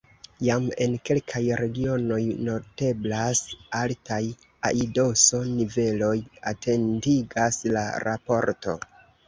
Jam en kelkaj regionoj noteblas altaj aidoso-niveloj, atentigas la raporto.